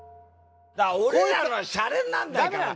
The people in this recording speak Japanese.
俺らのはシャレになんないから。